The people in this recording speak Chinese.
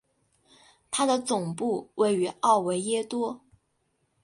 它的总部位于奥维耶多。